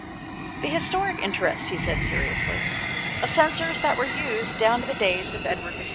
" The historic interest," he said seriously, " of censers that were used down to the days of Edward VI.